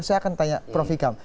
saya akan tanya prof ikam